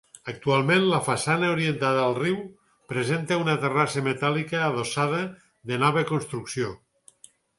Actualment, la façana orientada al riu presenta una terrassa metàl·lica adossada de nova construcció.